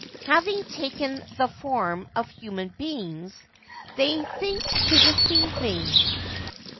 Having taken the form of human beings, they think to deceive me